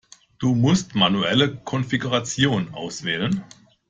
Du musst manuelle Konfiguration auswählen.